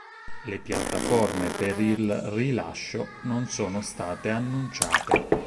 Le piattaforme per il rilascio non sono state annunciate.